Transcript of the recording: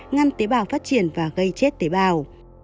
ngăn tế bào phát triển và gây chết tế bào